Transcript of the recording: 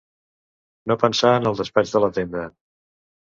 No pensar en el despatx de la tenda